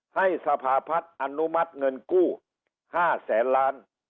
สภาพัฒน์อนุมัติเงินกู้๕แสนล้าน